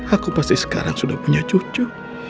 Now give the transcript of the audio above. aku pasti sekarang sudah punya cucu